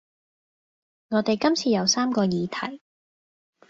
我哋今次有三個議題